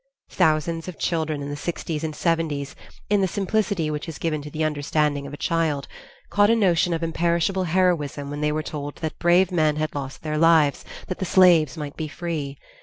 Thousands of children in the sixties and seventies, in the simplicity which is given to the understanding of a child, caught a notion of imperishable heroism when they were told that brave men had lost their lives that the slaves might be free.